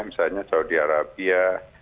misalnya saudi arabia